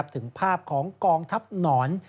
ถึงภาพของกองทัพหนอน